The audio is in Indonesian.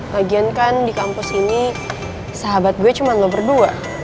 lagian kan di kampus ini sahabat gue cuma gak berdua